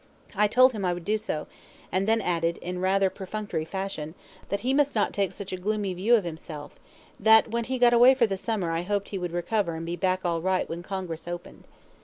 I told him I would do so, and then added, in rather perfunctory fashion, that he must not take such a gloomy view of himself, that when he got away for the summer I hoped he would recover and be back all right when Congress opened.